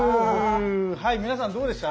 はい皆さんどうでした？